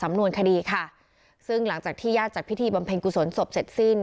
นวนคดีค่ะซึ่งหลังจากที่ญาติจัดพิธีบำเพ็ญกุศลศพเสร็จสิ้น